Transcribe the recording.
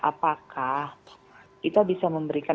apakah kita bisa memberikan